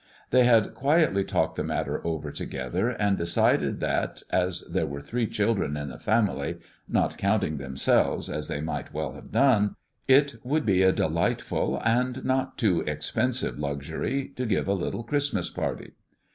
They had quietly talked the matter over together, and decided that, as there were three children in the family (not counting themselves, as they might well have done), it would be a delightful and not too expensive luxury to give a little Christmas party.